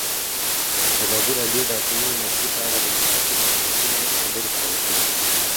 ازادي راډیو د اټومي انرژي په اړه د مخکښو شخصیتونو خبرې خپرې کړي.